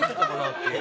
っていう。